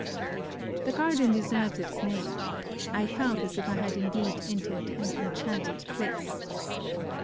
The garden deserves its name. I felt as if I had indeed entered an enchanted place.